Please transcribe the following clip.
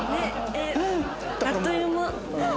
あっという間。